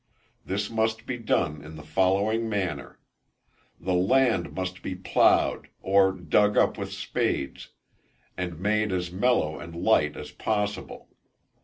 This must be done in the following manner: The land must be plowed, or dug up with spades, and made as mellow and light as possible.